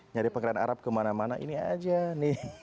nyari pangeran arab kemana mana ini aja nih